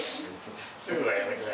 すぐはやめてない。